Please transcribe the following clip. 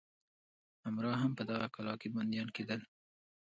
امرا هم په دغه کلا کې بندیان کېدل.